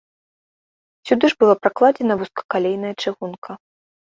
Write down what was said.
Сюды ж была пракладзена вузкакалейная чыгунка.